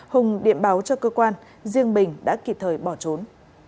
hùng điện báo cho cơ quan riêng bình đã kịp thời bỏ trốn